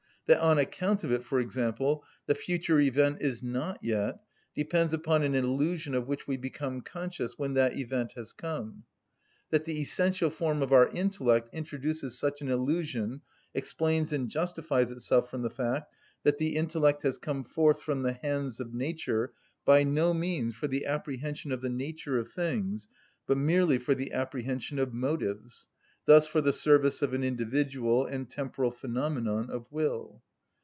That on account of it, for example, the future event is not yet, depends upon an illusion of which we become conscious when that event has come. That the essential form of our intellect introduces such an illusion explains and justifies itself from the fact that the intellect has come forth from the hands of nature by no means for the apprehension of the nature of things, but merely for the apprehension of motives, thus for the service of an individual and temporal phenomenon of will.